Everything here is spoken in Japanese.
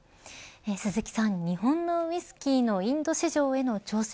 鈴木さん、日本のウイスキーのインド市場への挑戦